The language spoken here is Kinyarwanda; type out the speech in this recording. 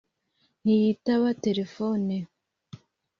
ntiyitaba telefone